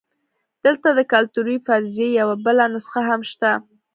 دلته د کلتوري فرضیې یوه بله نسخه هم شته.